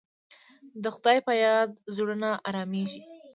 د خدای په یاد زړونه ارامېږي.